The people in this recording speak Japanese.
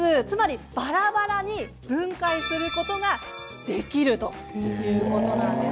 ばらばらに分解することができるということなんです。